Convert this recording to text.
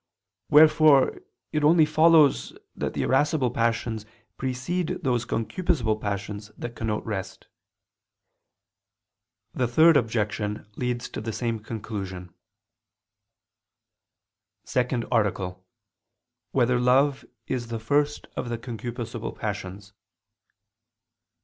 Wherefore it only follows that the irascible passions precede those concupiscible passions that connote rest. The third objection leads to the same conclusion. ________________________ SECOND ARTICLE [I II, Q. 25, Art. 2] Whether Love Is the First of the Concupiscible Passions?